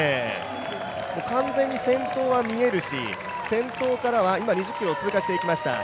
完全に先頭は見えるし先頭からは、今２０ｋｍを通過していきました。